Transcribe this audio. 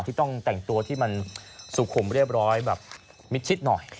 ที่ต้องแต่งตัวที่มันสุขุมเรียบร้อยแบบมิดชิดหน่อย